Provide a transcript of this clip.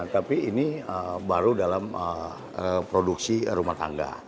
tapi ini baru dalam produksi rumah tangga